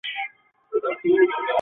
山东战事仍为全局关键。